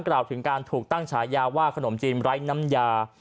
กล่าวถึงการถูกตั้งฉายาว่าขนมจีนไร้น้ำยา